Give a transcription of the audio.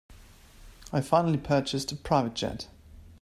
I finally purchased a private jet.